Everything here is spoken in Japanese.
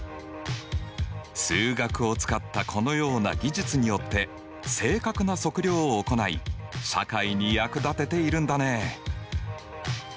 数学を使ったこのような技術によって正確な測量を行い社会に役立てているんだね。